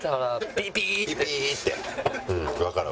「ピーピー」って。